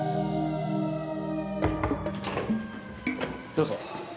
どうぞ。